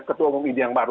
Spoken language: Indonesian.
ketua umum idi yang baru